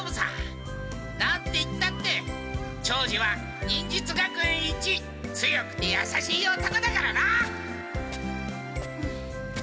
何て言ったって長次は忍術学園一強くてやさしい男だからな！